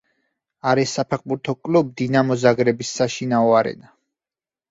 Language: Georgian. არის საფეხბურთო კლუბ „დინამო ზაგრების“ საშინაო არენა.